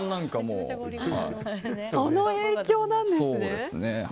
その影響なんですね。